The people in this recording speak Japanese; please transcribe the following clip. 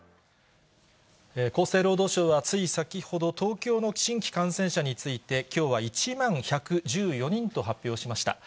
厚生労働省は、つい先ほど、東京の新規感染者について、きょうは１万１１４人と発表しました。